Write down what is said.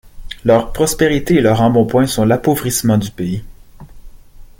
Leur prospérité et leur embonpoint sont l’appauvrissement du pays.